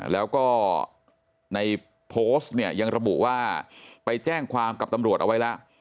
แล้วก็ในโพสต์เนี่ยยังระบุว่าไปแจ้งความกับตำรวจเอาไว้แล้ว